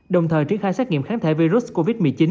đồng thời triển khai xét nghiệm kháng thể virus covid một mươi chín